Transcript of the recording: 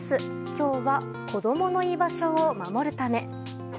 今日は、子供の居場所を守るため。